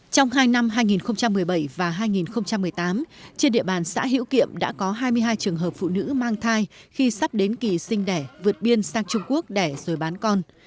trong hai năm hai nghìn một mươi bảy và hai nghìn một mươi tám trên địa bàn xã hữu kiệm đã có hai mươi hai trường hợp phụ nữ mang thai khi sắp đến kỳ sinh đẻ vượt biên sang trung quốc đẻ rồi bán con